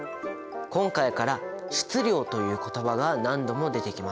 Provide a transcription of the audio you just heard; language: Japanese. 今回から質量という言葉が何度も出てきます。